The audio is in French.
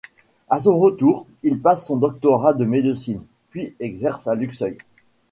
À son retour, il passe son doctorat de médecine, puis exerce à Luxeuil.